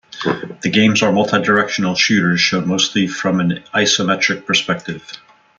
The games are multi-directional shooters shown mostly from an isometric perspective.